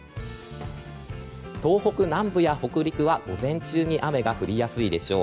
東北南部や北陸は午前中に雨が降りやすいでしょう。